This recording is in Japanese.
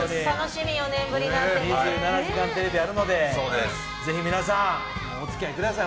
「２７時間テレビ」やるのでぜひ皆さん、お付き合いください。